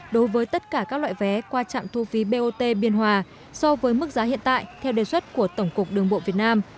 đối với tất cả các loại vé qua trạm thu phí bot biên hòa so với mức giá hiện tại theo đề xuất của tổng cục đường bộ việt nam